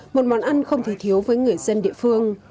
một món ăn không thể thiếu với người dân địa phương